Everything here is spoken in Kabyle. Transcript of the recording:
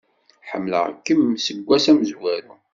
Ḥemmleɣ-kem seg ass amezwaru.